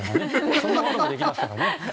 そんなこともできますからね。